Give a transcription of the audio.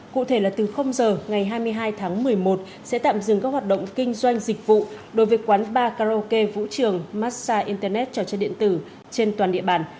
cụ thể là từ giờ ngày hai mươi hai tháng một mươi một sẽ tạm dừng các hoạt động kinh doanh dịch vụ đối với quán bar karaoke vũ trường massage internet trò chơi điện tử trên toàn địa bàn